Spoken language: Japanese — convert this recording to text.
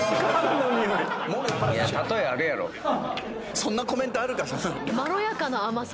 そんなコメントあるかな。